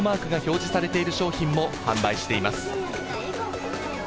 マークが表示されている商品も販売しています。